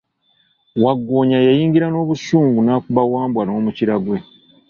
Waggoonya yayingira n'obusungu n'akuba Wambwa n'omukira gwe.